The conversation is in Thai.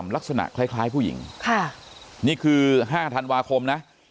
ลักษณะคล้ายผู้หญิงค่ะนี่คือ๕ธันวาคมนะ